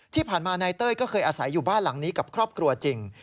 ที่ผ่านมานายเต้ยก็เคยอาศัยอยู่บ้านหลังนี้กับครอบครัวจริง